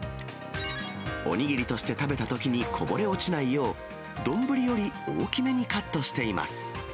お握りとして食べたときにこぼれ落ちないよう、丼より大きめにカットしています。